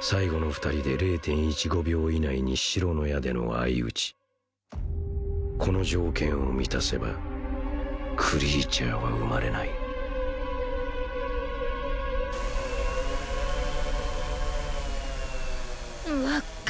最後の２人で０．１５秒以内に白の矢での相打ちこの条件を満たせばクリーチャーは生まれない分っ